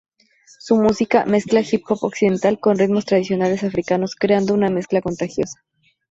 Su música mezcla Hip-Hop occidental con ritmos tradicionales africanos, creando una mezcla contagiosa.